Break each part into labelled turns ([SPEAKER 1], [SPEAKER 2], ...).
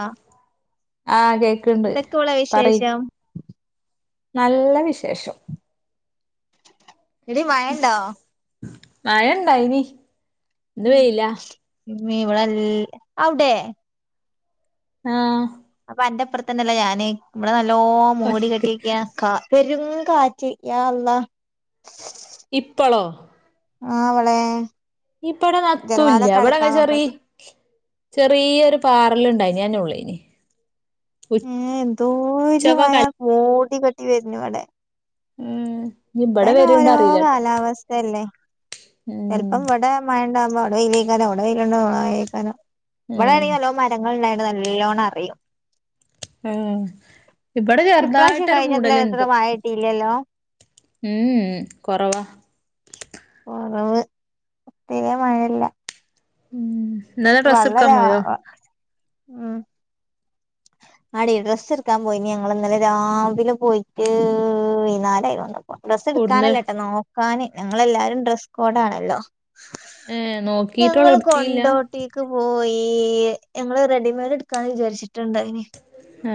[SPEAKER 1] ആ
[SPEAKER 2] ആഹ് കേക്ക്ണ്ട്
[SPEAKER 1] എന്തൊക്കെ ഉള്ള
[SPEAKER 2] പറയ്
[SPEAKER 1] വിശേഷം
[SPEAKER 2] നല്ല വിശേഷം
[SPEAKER 1] എടീ മയെണ്ടോ
[SPEAKER 2] മയ ഇണ്ടായിനി ഇന്ന് വെയിലാ
[SPEAKER 1] നീ ഇവടൽ അവിടേ
[SPEAKER 2] ആഹ്
[SPEAKER 1] അന്റപ്പറത്തന്നല്ലേ ഞാന് ഇവടെ നല്ലോം മൂടി
[SPEAKER 2] ഒക്ക്
[SPEAKER 1] കെട്ടീക്ക്യാ കാർ പെരും കാറ്റ് യാ അല്ലാഹ്
[SPEAKER 2] ഇപ്പളോ
[SPEAKER 1] ആഹ് വളേ
[SPEAKER 2] ഇപ്പടെ നത്തൂല്ല്യ ഇവടങ്ങ് ചെറീ
[SPEAKER 1] നോക്കട്ടെ
[SPEAKER 2] ചെറീയൊരു പാറല്ണ്ട് ഡൈന്യാനൊള്ളേനി
[SPEAKER 1] ഏഹ് എന്തോരു മയ
[SPEAKER 2] ഉച്ചക്കൊക്കെ
[SPEAKER 1] മൂടി കെട്ടി വര്ണിവടെ
[SPEAKER 2] ഉം ഇഞ്ഞ് ഇബടെ വര്ണ്ടോ
[SPEAKER 1] ഇപ്പയ്നോരോ
[SPEAKER 2] അറീലട്ടോ
[SPEAKER 1] കാലാവസ്ഥയല്ലേ
[SPEAKER 2] ഉം
[SPEAKER 1] ചെലപ്പം ഇവടെ മയ് യണ്ടാവുമ്പോ അവടെ വെയിലേക്കാരം അവടെ വെയിലുണ്ടോ ഇവടെ മയേക്കാരം
[SPEAKER 2] ഉം
[SPEAKER 1] ഇവടേണെങ്കി നല്ലോം മരങ്ങള്ണ്ടായി ണ്ട് നല്ലോണറിയും
[SPEAKER 2] ആഹ് ഇവടെ
[SPEAKER 1] ഇപ്രാവശ്യം
[SPEAKER 2] ചെറുതായിട്ടൊരു
[SPEAKER 1] കഴിഞ്ഞതിലേറെ
[SPEAKER 2] മൂടല്ണ്ട്
[SPEAKER 1] മഴ കിട്ടിയില്ലല്ലോ
[SPEAKER 2] ഉം കൊറവാ
[SPEAKER 1] കൊറവ് തീരേ മഴയില്ല
[SPEAKER 2] ഉം ഇന്നലെ ഡ്രസ്സ്ട്ക്കാൻ
[SPEAKER 1] വള്ളലാ
[SPEAKER 2] പോയോ
[SPEAKER 1] വ ഉം [inaudible] ആടീ ഡ്രസ്സെടുക്കാൻ പോയിനി ഞങ്ങളിന്നലെ രാവിലെ പോയിറ്റ് വൈന്നാരായീ തോണ്ട് വ
[SPEAKER 2] ഒട്ന്ന്
[SPEAKER 1] ഡ്രസ്സെടുക്കാനല്ലട്ടോ നോക്കാന് ഞങ്ങളെല്ലാരും ഡ്രസ്സ് കോഡാണല്ലോ
[SPEAKER 2] ഏഹ് നോക്കിട്ടൊള്ളു
[SPEAKER 1] ഞങ്ങള്
[SPEAKER 2] ഇട്ത്തീല്ല
[SPEAKER 1] കൊണ്ടോട്ടീക്ക് പോയി ഈല് ഞങ്ങള് റെഡിമെയ്ഡ് എടുക്കാന്ന് വിചാരിച്ചിട്ട്ണ്ടായിനി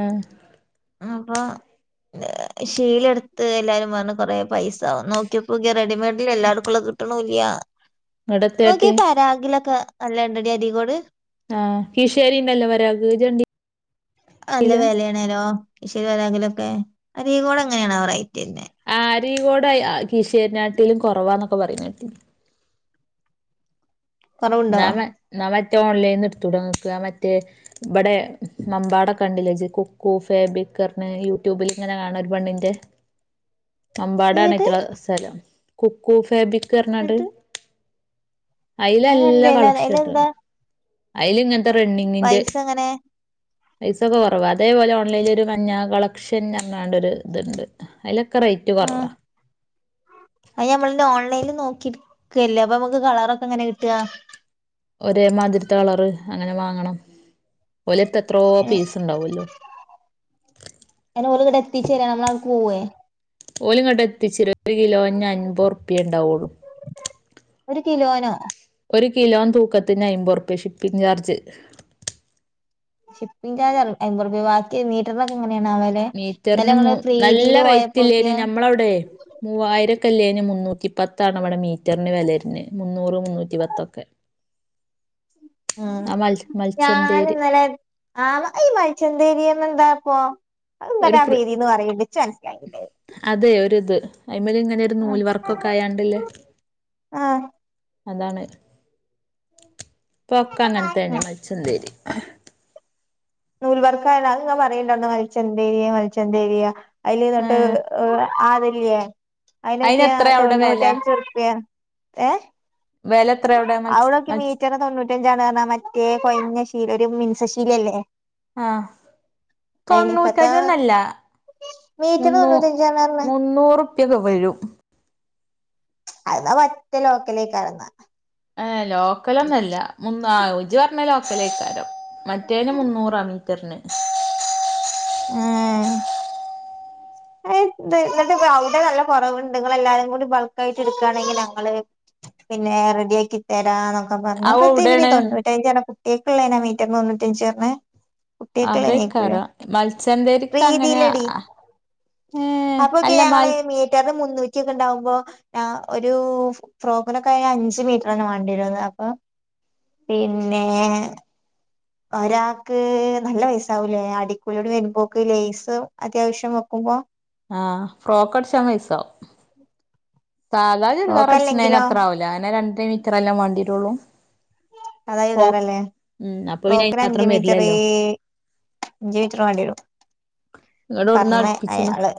[SPEAKER 2] ആഹ്
[SPEAKER 1] അപ്പോ ശീല എടുത്ത് എല്ലാരും പറഞ്ഞ് കൊറേ പൈസാവും നോക്കിയപ്പോക്ക്യേ റെഡിമെയ് ഡിലെല്ലാറ്ക്കുളള കിട്ടണൂല്ല്യ
[SPEAKER 2] ഇങ്ങട്ട്
[SPEAKER 1] നോക്കിയേ
[SPEAKER 2] എത്തേട്ടി
[SPEAKER 1] പരാഗിലൊക്ക നല്ലാ ഇണ്ടടീ അരിക്കോട്
[SPEAKER 2] ആഹ് കീഴ്ശേരി ഇണ്ടല്ലോ പരാഗ് ഇജ്ജ് കണ്ടി ണ്ടിലാ
[SPEAKER 1] കീശേരി പരാഗിലൊക്കെ അരീക്കോടങ്ങനെയാണാവോ റെയ്റ്റര്ണേ
[SPEAKER 2] കരികോട കിശ്േരിനാട്ടിലും കുറവാന്നൊക്കെ പറഞ്ഞ കിട്ടി
[SPEAKER 1] കൊറവുണ്ടോ
[SPEAKER 2] നമ്മ നമ മറ്റേ ഓൺലൈനി നിന്ന് എടുത്ത തുടങ്ങിക്കുക മറ്റേ ഇവിടെ മമ്പാട കെ ഉണ്ടില്ല കൊക്കു ഫേബ്രിക് യൂട്യൂബിൽ ഇങ്ങനെ കാണ ഒരു പണ്ണിന്റെ
[SPEAKER 1] [inaudible] ഏത്
[SPEAKER 2] അമ്പാടാണട്ടുള്ള സ്ഥലം കുക്കു ഫാബിക് എറണാട്
[SPEAKER 1] ന്നിട്ട് ഞാൻ
[SPEAKER 2] എല്ലാ
[SPEAKER 1] കണ്ടില്ല
[SPEAKER 2] കളക്ഷൻട്ട
[SPEAKER 1] അയിലെന്താ
[SPEAKER 2] അതിൽ ഇങ്ങനത്തെ റണ്ണിങ്ങിന്റെ
[SPEAKER 1] പൈസ എങ്ങനെ
[SPEAKER 2] പൈസൊക്കെ കുറവ അതേപോലെ ഓൺലൈനിൽ ഒരു മഞ്ഞ കളക്ഷൻ ഇറങ്ങാണ്ട ഒരു ഇതുണ്ട് അല
[SPEAKER 1] ഉ അത് നമ്മള ഓൺലൈനിൽ നോക്ക കില്ലേ അപ്പൊ നമുക്ക് കളറൊക്കെ എങ്ങനെ കിട്ടുക
[SPEAKER 2] ഒരേ മതിരിത്ത കളറ് അങ്ങനെ വാങ്ങണം ഒലത്ത് എത്രോ പീസ് ഉണ്ടാവല്ലോ
[SPEAKER 1] അയിന് എത്തിച്ചരാൻ നമ്മള പോവേ
[SPEAKER 2] ഓലിുംങ്ങട്ട എത്തിച്ചി ഒരു കിലോഞ്ഞ അൻമ്പത് റുപ്യ ഉണ്ടാവുള്ളു
[SPEAKER 1] ഒരു കിലോനോ
[SPEAKER 2] ഒരു കിലോം തൂക്കത്തിന് അമ്പത്റുപ്യ ഷിപ്പിങ് ചാർജ്
[SPEAKER 1] ഷിപ്പിങ് ചാജ അമ്പത്ുപ വാക്ക മീറ്റർ
[SPEAKER 2] മീറ്ററിന് നല്ല
[SPEAKER 1] പോയപ്പോക്കിയ
[SPEAKER 2] റേറ്റ്ല്ലേന് ഞമ്മളവിടെ മൂവായിരക്കെ ഇല്ലേന് മ മുന്നൂറ്റി പത്ത ആാണ് അവിടെ മീറ്ററിന് വിലരുുന്ന മുന്നൂറ് മുന്നൂറ്റി പത്തൊക്കെ
[SPEAKER 1] ഉ
[SPEAKER 2] ആ മൽ
[SPEAKER 1] ഞൻ
[SPEAKER 2] മൽച്ചന്തേര്
[SPEAKER 1] ഇന്നലെ ആ ഈ മൈിച്ചന്തേരിന്ന എന്താ അപ്പ
[SPEAKER 2] ഒരു
[SPEAKER 1] അത്ന്തന്നെ ആ
[SPEAKER 2] പ്ര
[SPEAKER 1] വേദീന്ന് പററിയേണ്ടിച്ച് മനസ്സിലായില്ലേ
[SPEAKER 2] ത് അ്മല ഇങ്ങനെ ഒരു നൂൽ വർക്കൊക്കെ ആയാണ്ടല്ലേ
[SPEAKER 1] ആഹ്
[SPEAKER 2] അതാണ് പൊക്ക അങ്ങനെ തന്നെ മിച്ച തേരി
[SPEAKER 1] നൂൽവർക്കല്ല അത്ങ്ങ പറയണ്ടണ്ട് മലിച്ച എന്ത രിയ മലിച്ചെന്ത ഏരിയ അതില്ന്നോട്ട്്
[SPEAKER 2] ഏഹ്
[SPEAKER 1] അതല്ലേ
[SPEAKER 2] അയിന്
[SPEAKER 1] അതിനതിനൊക്കെയാ
[SPEAKER 2] എത്രയാ അവിടെ വില
[SPEAKER 1] തൊണ്ണൂറ്റഞ്ച് റുപ്യ ഏ
[SPEAKER 2] വെല എത്ര അവിടെ മത്സ
[SPEAKER 1] അവിടൊക്കെ
[SPEAKER 2] മത്സ
[SPEAKER 1] മീറ്ററി തൊണ്ണൂറ്റഞ്ചാണ്ഞ്ഞാ മറ്റേ കൊയഞ്ഞശ്ശീല ഒരു ശശീലല്ലേ
[SPEAKER 2] ആഹ
[SPEAKER 1] ഇപ്പത്തെ
[SPEAKER 2] തൊണ്ണൂറ്റഞ്ഞൊന്നല്ല
[SPEAKER 1] മീറ്റർ
[SPEAKER 2] മുന്നൂ
[SPEAKER 1] തൊണ്ണൂറ്റഞ്ചാണ് പറഞ്ഞ്
[SPEAKER 2] മുന്നൂറുപ്യക വരൂ
[SPEAKER 1] അത്താ മറ്റേ ലോക്കലേക്ക് ഇറന്ന
[SPEAKER 2] ഏ ലോക്കലൊന്നല്ല മന്ന് ആ ോചി പറഞ്ഞ ലോക്കലക്കാരോ മറ്റേന് മുന്നൂറാ മീറ്ററിന്
[SPEAKER 1] ആഹ എന്നിട്ട് അവിടെ നല്ല കുറവ്ുണ്ട് നിങ്ങ എല്ലാരും കൂടി ബൾക്ക് ആയിട്ട് എടുക്കുകയാണെങ്കിൽ ഞങ്ങള് പിന്നെ റെഡി ആാക്കി തരാന അ പറ
[SPEAKER 2] അത്
[SPEAKER 1] പയീവിനി
[SPEAKER 2] എവിടേണ്
[SPEAKER 1] തൊണൂറ്റഞ്ച അട കുട്ടികൾക്കുള്ളള്ളേനാ മീറ്റന്ന്ൊണ്ൂറ്റഞ്ച് പറഞ്ഞണ്
[SPEAKER 2] അതൊക്കറോ മത്സ്യന്ധേക്ക് അങ്ങനെ
[SPEAKER 1] പ്രീതിയിലെടി
[SPEAKER 2] ഏഹ്
[SPEAKER 1] അപ്പൊക്കെ
[SPEAKER 2] അല്ല
[SPEAKER 1] ഞങ്ങള്
[SPEAKER 2] മൽ
[SPEAKER 1] മീറ്റ ടെ മുന്നൂക്കിയൊക്കെ ഉണ്ടാവകുമ്പോ ഒരു ഫ്രോക്കിനൊക്കെ അഞ്ച് മീറ്ററണ് വണ്ടി വരുന്നത് പിന്നെ ഒരാൾക്ക് നല്ല വയസാവൂലേ അടിക്കൂലിയോട് വരുമ്പോക്ക് ലേസ് അത്യാവശ്യം വെക്കുമ്പോ
[SPEAKER 2] ആഹ ഫോക്കഡ് ൻ മൈസവും സാധാ ചരിാ
[SPEAKER 1] ഫ്രോക്ക്
[SPEAKER 2] അടിുണ്ട
[SPEAKER 1] അല്ലെങ്കിലോ
[SPEAKER 2] അത്ര ആാവല്ല അനെ രണ്ടേ മീറ്റർ എല്ലാം വേണ്ടീട്ടുള്ളൂ
[SPEAKER 1] അതായിതറല്ലേ
[SPEAKER 2] ഉം അപ്പൊ പിന്നെ അയിന്
[SPEAKER 1] ടോക്കിന് അഞ്ച
[SPEAKER 2] മാത്രം
[SPEAKER 1] മീറ്റർ
[SPEAKER 2] വരില്ലല്ലോ
[SPEAKER 1] അഞ്ച മീറ്റർ വേണ്ടി വരും
[SPEAKER 2] ഇങ്ങട്ട്
[SPEAKER 1] പറ
[SPEAKER 2] എവിടുന്നാ അടിപ്പിച്ച്ണ്
[SPEAKER 1] അയാള്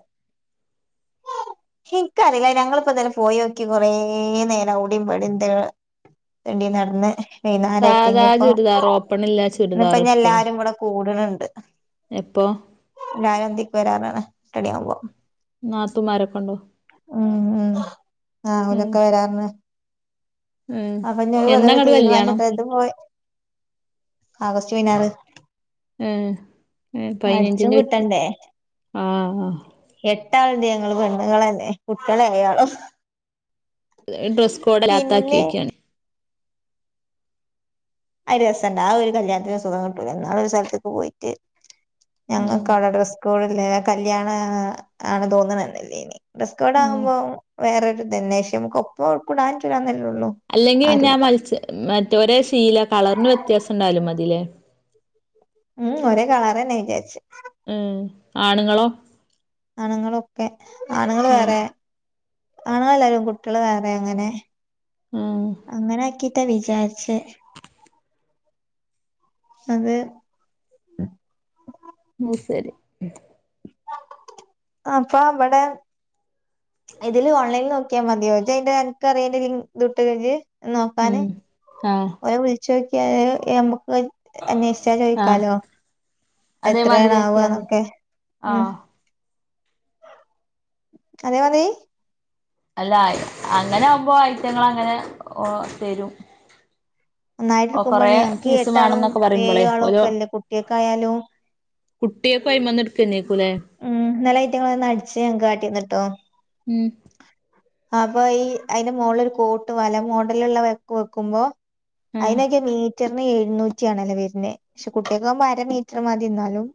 [SPEAKER 1] ഉം ഹിക്കറില്ല ഞങ്ങിപ്പ തന്നെ പോയി നോക്കി കൊറേ നേരം ഓട്പടന്ത എടി നടന്ന്
[SPEAKER 2] സാധാ
[SPEAKER 1] വൈനരത്തിനി ഇപ്പ
[SPEAKER 2] ചുരിദാർ ഓപ്പണില്ല ചുരിദാർ
[SPEAKER 1] ഇപ്പ എല്ലാരും കൂടെ കൂടണണ്ട്
[SPEAKER 2] എപ്പൊ
[SPEAKER 1] ാല എന്തതിക്ക് വരാറാണ് ടിയ ആവുമ്പോ
[SPEAKER 2] നാത്തൂമാരൊക്കെണ്ടോ
[SPEAKER 1] ഉ ഉ ആ
[SPEAKER 2] ഉം
[SPEAKER 1] അവലൊക്കെ വരാറന്ന്
[SPEAKER 2] ഉം
[SPEAKER 1] അപ്പൊ ഞൻ വന്നരു
[SPEAKER 2] എന്നങ്ങട്ട് കല്യാണം
[SPEAKER 1] തീരുമാനിച്ചിട്ടത് പോയ ആഗോസ്റ്റ് മനാറ്
[SPEAKER 2] ഏർ ഏർ
[SPEAKER 1] അടിച്ചും
[SPEAKER 2] പതിനഞ്ചിറെ വച്ച
[SPEAKER 1] കിട്ടണ്ടേ
[SPEAKER 2] ആഹ
[SPEAKER 1] പട്ടാളുണ്ട് ഞങ്ങള്ൾ പെണ്ണുങ്ങളല്ലെ കുട്ടികളെ അയാളും
[SPEAKER 2] ഡ്രസ് കോഡ് അല്ലാത്ത ആാക്കി വോക്കാണ്
[SPEAKER 1] അ രസണ്ട് ആ ഒരു കല്യാണത്തിന് സുഖം കിട്ടല എന്ന ഒരു സ്ഥലത്തേക്ക് പോയിട്ട്
[SPEAKER 2] ഉം
[SPEAKER 1] ഞങ്ങൾക്ക് അവിടെ ഡ്രസ്കോഡല്ല കല്യാണ ആണ് തോന്നണന്നല്ലേ ഇനി ഡ്രസ്കോഡ
[SPEAKER 2] ഉം
[SPEAKER 1] ആ്പ വേറൊരു ദന്േഷ്യം നമക്ക് ഒപ്പ കുൂടാനൻല്ല
[SPEAKER 2] അല്ലെങ്കിൽ പിന്നെ ആ മത്സ്യം മറ്റവരെ ശീല കളറിന് വ്യത്യാസം ഉണ്ടാലും മതിലേ
[SPEAKER 1] ഉം ഒരേ കളറെ നെയചച്ച
[SPEAKER 2] ഉം ആണുങ്ങളോ
[SPEAKER 1] ആണുങ്ങളൊക്കെ ആണുങ്ങൾ
[SPEAKER 2] ഉം
[SPEAKER 1] വേറെ ആണല്ലരും കുട്ടികള് വേറെ അങ്ങനെ
[SPEAKER 2] ഉം
[SPEAKER 1] അങ്ങനെ ആക്കി ത്ത വിചാച്ച അത
[SPEAKER 2] ഉ ശരി
[SPEAKER 1] അപ്പൊ അവിടെ ഇതില് ഓൺലൈനി നോക്ക അാ മതിയോജ അതിന്റെ എനക്ക് അറിയേണ്ടട്ട്ഴിഞ്ഞഞ് നോക്കാന്
[SPEAKER 2] ഉം ആഹ്
[SPEAKER 1] ഓര വിളിച്ചു നോക്കിയ അന്വേഷിച്ചാ
[SPEAKER 2] ആഹ്
[SPEAKER 1] ചോദിക്കാലോ എത്രയണ ആവുക
[SPEAKER 2] അതേമാതിരിയാക്കിയാതി
[SPEAKER 1] എന്നൊക്കെ ഉ
[SPEAKER 2] ആഹ്
[SPEAKER 1] അന വ
[SPEAKER 2] അല്ല അങ്ങനെ ആകുമ്പോ ഐറ്റങ്ങ അങ്ങനെ തരും
[SPEAKER 1] നന്നായിട്ട്
[SPEAKER 2] ഓ
[SPEAKER 1] എടുക്കുമ്പോണ
[SPEAKER 2] കൊറേ
[SPEAKER 1] ഞങ്ങക്ക്
[SPEAKER 2] പീസ്
[SPEAKER 1] എട്ടാളും
[SPEAKER 2] വേണംന്നൊക്കെ
[SPEAKER 1] ഏ
[SPEAKER 2] പറയുമ്പോളേ
[SPEAKER 1] ആളും
[SPEAKER 2] ഓരോ
[SPEAKER 1] ഒക്കെ അല്ലേ കുട്ടിയക്കായാലും
[SPEAKER 2] കുട്ടിയൊക്കെൈയി വന്ന എടുക്ക
[SPEAKER 1] ഉം നല്ല ഐറ്റങ്ങ അടിിച്ച ഞ കാട്ടിന്നിട്ടോ
[SPEAKER 2] ഉം
[SPEAKER 1] അപ്പൊ ഈ അതിന്റെ മോുകളൊ ഒരു കോട്ട് പോല മോഡലുള്ള വെക്കുമ്പോ
[SPEAKER 2] ആഹ്
[SPEAKER 1] അയിനഗെ നീ ഇറ്റ എഴുന്നൂറ്റിയാണല്ലോ വരുന്നത് പക്ഷെ കുട്ടികൾക്ക്പ വ അര മീറ്റർ മതി ഇന്നാലും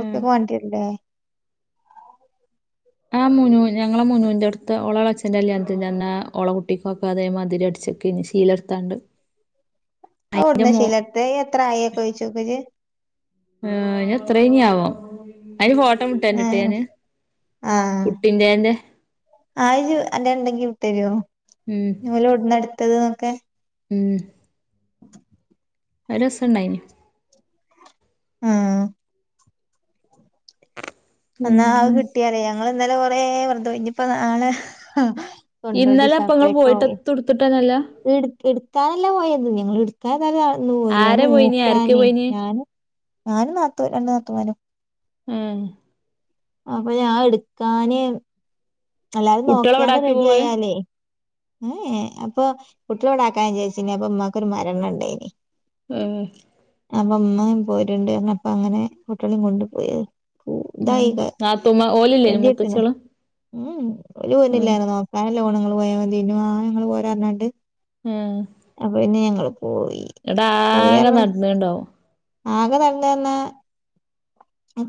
[SPEAKER 2] ആഹ്
[SPEAKER 1] വേണ്ടില്ലേ
[SPEAKER 2] ആഹ് മുനു ഞങ്ങളെ മുനുന്റെറ അടുത്ത് ളച്ഛന്റെ അല്യാാ ള കുട്ടിക്കൊക്കെ അതേ മതിരി അടിച്ച ക്കെ ഇ ശീലർത്താണ്ട്
[SPEAKER 1] അവിടന ശീലത്തെ എത്ര ആയിക്കഴിച്ചോക്ക
[SPEAKER 2] ആർ എത്ര ഇന ആവാം പട്ട മുട്ടട്ട്
[SPEAKER 1] ആഹ്
[SPEAKER 2] ഞാന് കുട്ടിന്റെ എറെ
[SPEAKER 1] ആ അല്ല ഉണ്ടെങ്കി വിട്ടരുോ
[SPEAKER 2] ഉം
[SPEAKER 1] ല ഇടന്ന് എടുത്തത്ന്നൊക്കെ
[SPEAKER 2] ഏ [unintelligible]
[SPEAKER 1] [unintelligible]
[SPEAKER 2] ഒരു രസം ഇണ്ടായിന്
[SPEAKER 1] ആഹ എന്നാ ആ കിട്ടിയാലേ ഞങ്ങ എന്താല കൊറേ വ്രത ഇനിയിപ്പോ നള് തൊണ്ടോടി
[SPEAKER 2] ഇന്നലെ ഇപ്പ ഇങ്ങള്
[SPEAKER 1] സഫക്കെ
[SPEAKER 2] പോയിട്ട്
[SPEAKER 1] പോയി
[SPEAKER 2] എത്തും എടുത്തിട്ടന്നല്ല
[SPEAKER 1] എ എടുത്താാനല്ല പോയത് ഞങ്ങ എടുക്കാ തല്ലന്ന് പോയില്ല
[SPEAKER 2] ആരെ പോയിനി ആരൊക്കെ
[SPEAKER 1] നോക്കാനേ
[SPEAKER 2] പോയിനി
[SPEAKER 1] ഞാന് ഞാനും നാത്തു രണ്ടു നാത്തുമാരും
[SPEAKER 2] ഉഹ
[SPEAKER 1] അപ്പൊ ഞാൻ എടുക്കാന് എല്ലാരും
[SPEAKER 2] കുട്ടികളെ
[SPEAKER 1] നോക്ക്യാണ്ട്
[SPEAKER 2] ഇവിടാക്കി പോവേ
[SPEAKER 1] റെഡിയാലേ. അപ്പൊ കുട്ട്യാളെ വ്ടാക്കാൻ വിചാര് ച്ചീനി അപ്പൊ മ്മാക്കൊര് മരണണ്ടയ്നി.
[SPEAKER 2] ഉം
[SPEAKER 1] അപ്പൊ മ്മെം പോര്ണ്ട് പറഞ്ഞപ്പൊങ്ങനെ കുട്ട്യാളെം കൊണ്ട് പോയി
[SPEAKER 2] ഉം
[SPEAKER 1] തായി ക
[SPEAKER 2] നാത്തൂമാ ഓലില്ലേനോ
[SPEAKER 1] ഇടിട്ട് ണ്.
[SPEAKER 2] മൂത്തച്ചികള്
[SPEAKER 1] ഉം ഉം ഓല്
[SPEAKER 2] ഉം
[SPEAKER 1] പോര്നില്ലാന്ന് പറഞ്ഞ് നോക്കാനല്ലെ പോണെ ങ്ങൾ പോയാതി ഇന് വാണെ ങ്ങൾ പോര പറഞ്ഞാണ്ട്. അപ്പൊ പിന്നെ ഞങ്ങൾ.
[SPEAKER 2] ങ്ങട്ടാകെ നടന്ന്ണ്ടാവും
[SPEAKER 1] ആകെ നടന്നു വന്നാ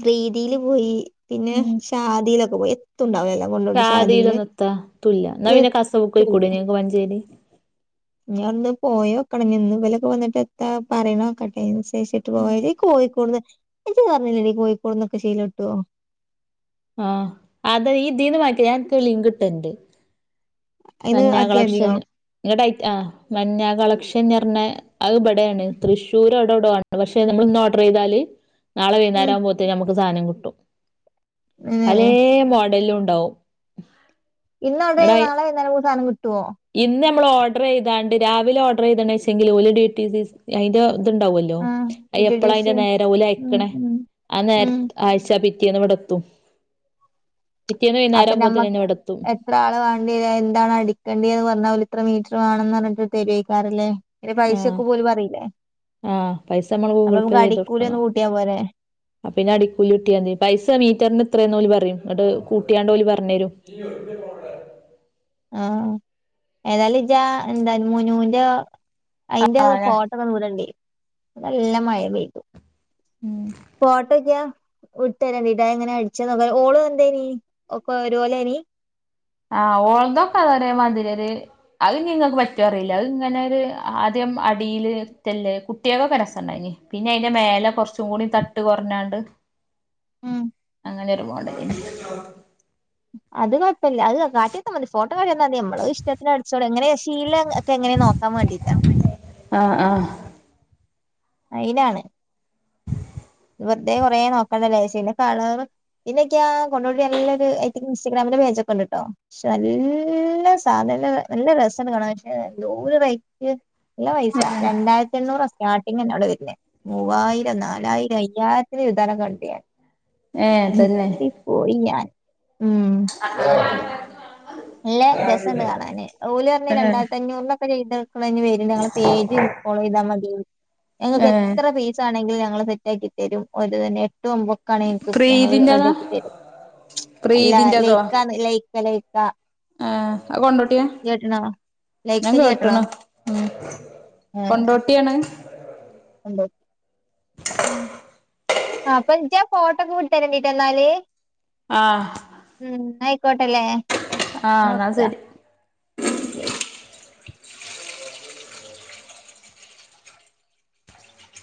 [SPEAKER 1] പ്രീതിയില് പോയി പിന്നെ ശാദിയിലൊ ഓ എത്തുണ്ടാവു ല
[SPEAKER 2] ശാദീലൊന്നുത്ത ത്തുല്യ ന്നാ പിന്നെ കസവ്ക് പൊയ്ക്കൂടയ്ന്യോ ങ്ങക്ക് മഞ്ചേരി
[SPEAKER 1] ഞ ന്ന് പോയോക്കണം ഞ് ഇന്ന് വലൊക്കെ എത്താ പറി ണോക്കട്ടെ. തേച്ചിട്ട് പോയ ഈ കോഴിക്കോട്ന്ന് ഇജ് പറഞ്ഞിലെടി കോഴിക്കോട്ന്നൊക്കെ ശീല ട്ടോ?
[SPEAKER 2] അ അത യ് ഇതീന്ന് വാങ്ങിക്കോ ഞാൻ അൻക്കൊരു ലിങ്ക് ഇട്ടര്ണ്ട്.
[SPEAKER 1] അയിന്
[SPEAKER 2] മഞ്ഞ
[SPEAKER 1] ആക്കിയാ മതിയോ
[SPEAKER 2] കളക്ഷൻ ങ്ങട്ട് ആയ് അ മഞ്ഞ കളക്ഷൻ എർഞ്ഞ അത്ബ്ടേണ് തൃശൂർ അവ് ടൗടൊ ആണ് ട്ടൊ. പക്ഷെ നമ്മൾ ഇന്ന് ഓഡർ ചെയ്താല് നാളെ
[SPEAKER 1] ഉം
[SPEAKER 2] വൈന്നാരാവുമ്പോത്തിന് നമ്മ ക്ക് സാനം കിട്ടും
[SPEAKER 1] ഏ
[SPEAKER 2] പലേ മോഡൽ ലും ഉണ്ടാവും.
[SPEAKER 1] ഇന്ന് ഓഡർ ചെയ്ത
[SPEAKER 2] ഇവിടെ
[SPEAKER 1] നാളെ വൈന്നാരം സാനം കി
[SPEAKER 2] ഇന്ന് നമ്മൾ ഓർഡർ ചെയ്താണ്ട് രാവിലെ ഓർഡർ ചെയ്തീ ണെചെങ്കി ഓല് ഡി ടി സി അയ്ന്റെ അത് ണ്ടാവല്ലോ
[SPEAKER 1] ആ
[SPEAKER 2] അ
[SPEAKER 1] പി ടി
[SPEAKER 2] എപ്പള
[SPEAKER 1] ഡി
[SPEAKER 2] അയ്ന്റെ
[SPEAKER 1] സി
[SPEAKER 2] നേരം ഓല്
[SPEAKER 1] ഉം
[SPEAKER 2] അയക്ക്ണേ
[SPEAKER 1] ഉം
[SPEAKER 2] ആ നേര
[SPEAKER 1] ഉം
[SPEAKER 2] ആഴ്ച്ച പി. റ്റേന്ന് ഇവ്ടെത്തും.
[SPEAKER 1] അപ്പൊ നമ്മ എത്ര ആള് വേണ്ട്യര എന്താണടി ക്കേണ്ടന്ന് പറഞ്ഞ ഓല് ഇത്ര മീറ്റർ വേണംന്ന് പറഞ്ഞ്ട്ട് തെരയ്ക്കാരം ലേ അയ്ന്റെ പൈസൊക്കെ പ്പൊ ഓല് പറീലെ.
[SPEAKER 2] ആ പൈസ നമ്മൾ ഗൂഗിൾ പേ ചെയ്ത് കൊട്ക്കണോ
[SPEAKER 1] അടിക്കൂലിയൊന്ന് കൂട്ടിയാ പോരെ
[SPEAKER 2] അ പിന്നെ അടിക്കൂലി കിട്ട്യാതി പൈസ മീറ്ററിന് ഇത്രെന്ന് ഓല് പറിം ങ്ങട്ട് കൂട്ട്യാണ്ട് ഓല് പറഞ്ഞരും.
[SPEAKER 1] ആഹ ഏതാലും ഇജാ ന്താ നുനൂന്റൊ അയ്ന്റെ ആ ത്
[SPEAKER 2] ആഹ്
[SPEAKER 1] ഫോട്ടോന്ന് വിടെണ്ടി. വ്ടെ ല്ല മഴ പെയ്തു.
[SPEAKER 2] ഉം
[SPEAKER 1] ഫോട്ടൊ ക്ക്യാ വിട്ടരണ്ണിദ അ എങ്ങനെ അട്ച്ചതൊക്കെ ഓളും ന്തെയ്നി ഒ ക്കെ ഒരുപോലെയ്നി
[SPEAKER 2] ആഹ് ഓൾതൊക്കെ അ ഒരേ മാതിരി ഒര് അത് ഇന് ഇങ്ങക്ക് പറ്റോ അറീല അത്ങ്ങനെ ഒരു ആദ്യ ദ്യംഅടീൽ നെറ്റ് ല്ലെ കുട്ട്യാ ക്ക് ഒക്കെ രസ ണ്ടയ്നി. പിന്നെ അയ്ന്റെ മേലെ കുറച്ചും കൂടി തട്ട് കുറഞ്ഞാണ്ട്
[SPEAKER 1] ഉം
[SPEAKER 2] ങ്ങനൊരു മോഡല്.
[SPEAKER 1] അത് കുഴപ്പല്യ അത് കാട്ട്യന്നാ മതി ഫോട്ടോ കാട്ട്യന്നാ തി. ഞമ്മള് അതിഷ്ടത്തിന് അട്ച്ചോള എങ്ങനെ ശീല എ റ്റ്എങ്ങനെ നോക്കാൻ വേണ്ടിട്ടാണ്
[SPEAKER 2] ആഹ് ആഹ്
[SPEAKER 1] അയ്നാണ് ത് വെറുതെ കുറെ നോക്കണ്ടല്ലോ ച്ച് പിന്നെ കളർ. പിന്നൊക്ക്യാ കൊണ്ടോട്ടി നല്ലൊരു അയ്റ്റ ക്ക് ഇൻസ്റ്റഗ്രാമിന്റെ പേജൊക്കെ ണ്ട് ട്ടൊ. ക്ഷെ നല്ല സാധ നല്ല നല്ല രസാണ് കാണാൻ പക്ഷെ എന്തോര് റൈറ്റ് നല്ല പൈസ രണ്ടായിരത്തെണ്ണുറ സ്റ്റാർട്ടിങ്ങെ ന്നെഅവ്ടെ വര്നെ മൂവായിരം നാലായി രം അയ്യായിരത്തിന്റ ചുരിദാർ ക്കെ കണ്ട് ഞാൻ
[SPEAKER 2] ഏഹ് തന്നെ
[SPEAKER 1] ഞെട്ടിപ്പോയി ഞാൻ.
[SPEAKER 2] അഹ
[SPEAKER 1] ഇല്ല രസം ണ്ട് കാണാന് ഓല് പറഞ്ഞ്
[SPEAKER 2] ഏഹ്
[SPEAKER 1] രണ്ടായിരത്തഞ്ഞൂറിനൊക്കെ ചെയ്ത് കൊ ന്ന നി വരണ്ടി ഞങ്ങളെ പേജ് ഇൻ ഫോളോ ചെയ്താൽ മതി ഞ ങ്ങൾക്ക്
[SPEAKER 2] ഏഹ്
[SPEAKER 1] എത്ര പീസ് ആണെങ്കിലും ഞങ്ങൾ ത ക്കി തരും ഓര്ത് തന്നെഎട്ട് ഒമ്പ ൻ ക്ക് ണെ ഇൻക്ക് ഞങ്ങൾ
[SPEAKER 2] പ്രീതിന്റെതാ
[SPEAKER 1] റെഡിയാക്കി തരും അല്ല ലൈക്ക ന്ന് ലൈക്ക ലൈക്ക
[SPEAKER 2] ആഹ അ കൊണ്ടോട്ട്യാ
[SPEAKER 1] ഇജ്ജ് കേട്ട്ണോ ലൈക്ക
[SPEAKER 2] ഞാൻ
[SPEAKER 1] ഇജ്ജ് കേട്ട്ണോ
[SPEAKER 2] കേട്ട്ണ് ഉം
[SPEAKER 1] ഏഹ്
[SPEAKER 2] കൊണ്ടോട്ട്യാണ്
[SPEAKER 1] എന്തോ ആ അപ്പൊ ജ്ജാ ഫോട്ടോക്കെ വിട്ടരണ്ടിട്ടൊ ന്നാല്
[SPEAKER 2] ആഹ്
[SPEAKER 1] ഉം ന്നായ് ക്കോട്ടല്ലേ
[SPEAKER 2] ആഹ് എന്നാ
[SPEAKER 1] നോക്ക
[SPEAKER 2] ശരി
[SPEAKER 1] ശരി